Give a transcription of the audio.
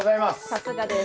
さすがです。